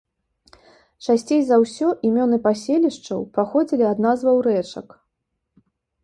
Часцей за ўсё імёны паселішчаў паходзілі ад назваў рэчак.